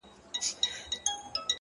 o پاس توتكۍ راپسي مه ږغـوه؛